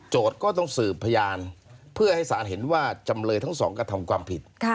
ก็ต้องสืบพยานเพื่อให้ศาลเห็นว่าจำเลยทั้งสองกระทำความผิด